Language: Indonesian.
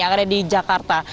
akhirnya di jakarta